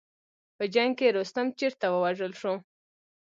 په جنګ کې رستم چېرته ووژل شو.